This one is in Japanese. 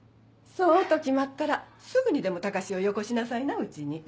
そうと決まったらすぐにでも高志をよこしなさいなうちに。